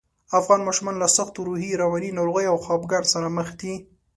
افغان ماشومان له سختو روحي، رواني ناروغیو او خپګان سره مخ دي